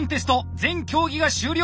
全競技が終了！